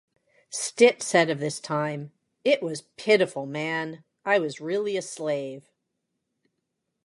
Stitt said of this time: It was pitiful, man...I was really a slave.